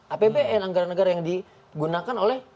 apbn anggaran negara yang digunakan oleh